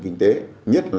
và các doanh nghiệp